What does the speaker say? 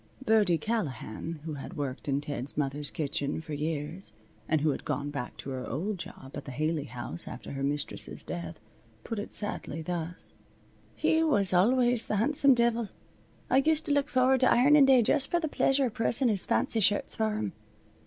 Birdie Callahan, who had worked in Ted's mother's kitchen for years, and who had gone back to her old job at the Haley House after her mistress's death, put it sadly, thus: "He was always th' han'some divil. I used to look forward to ironin' day just for the pleasure of pressin' his fancy shirts for him.